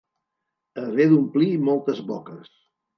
Haver d'omplir moltes boques.